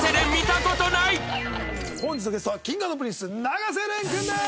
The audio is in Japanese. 本日のゲストはＫｉｎｇ＆Ｐｒｉｎｃｅ永瀬廉君です！